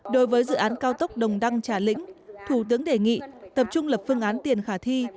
đối với dự án cao tốc đồng đăng trà lĩnh thủ tướng đề nghị tập trung lập phương án tiền khả thi